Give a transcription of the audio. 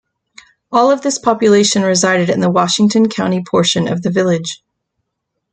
All of this population resided in the Washington County portion of the village.